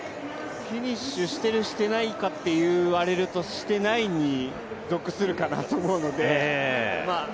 フィニッシュしている、してないかと言われると、してないに属するかと思うので。